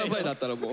もう。